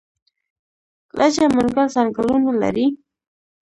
لجه منګل ځنګلونه لري؟